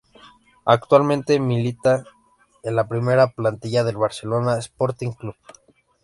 Actualmente milita en la primera plantilla del Barcelona Sporting Club.